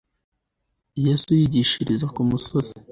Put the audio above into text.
Yesu yigishiriza ku musozi